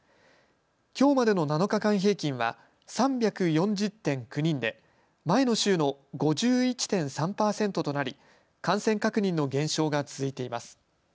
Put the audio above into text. きょうまでの７日間平均は３４０．９人で前の週の５１．３％となり感染確認の減少が続いています。